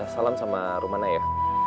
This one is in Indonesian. salam sama romana ya